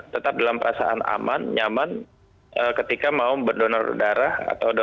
tetap dalam perasaan aman nyaman ketika mau berdonor darah